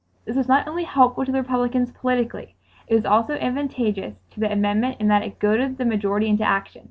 This was not only helpful to the Republicans politically; it was also advantageous to the amendment in that it goaded the majority into action.